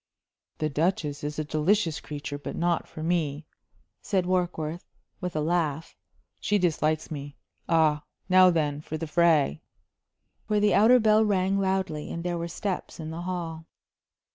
"The Duchess is a delicious creature, but not for me," said Warkworth, with a laugh. "She dislikes me. Ah, now then for the fray!" For the outer bell rang loudly, and there were steps in the hall.